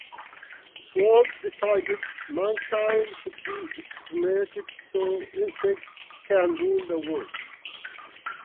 Swarm decided mankind should be exterminated so insects can rule the world.